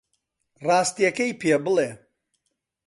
ڕاستییەکەی پێ بڵێ.